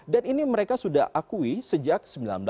dan ini mereka sudah akui sejak seribu sembilan ratus empat puluh delapan